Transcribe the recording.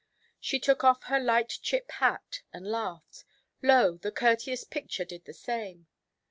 She took off her light chip hat, and laughed; lo! the courteous picture did the same.